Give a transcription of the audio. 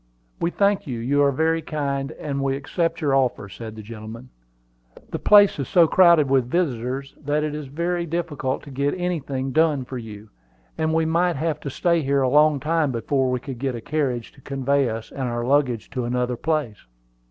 "We thank you; you are very kind, and we accept your offer," said the gentleman. "The place is so crowded with visitors that it is very difficult to get anything done for you; and we might have to stay here a long time before we could get a carriage to convey us and our luggage to another place.